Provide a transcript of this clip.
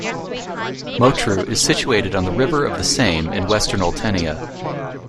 Motru is situated on the river of the same in western Oltenia.